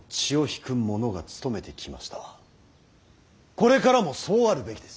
これからもそうあるべきです。